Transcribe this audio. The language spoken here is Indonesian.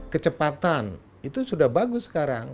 kecepatan itu sudah bagus sekarang